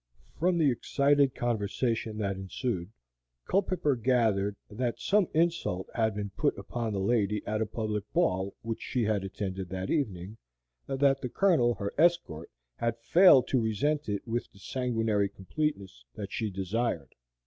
From the excited conversation that ensued, Culpepper gathered that some insult had been put upon the lady at a public ball which she had attended that evening; that the Colonel, her escort, had failed to resent it with the sanguinary completeness that she desired.